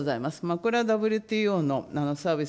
これはＷＴＯのサービス